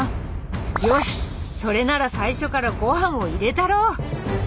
よしっそれなら最初からごはんを入れたろう！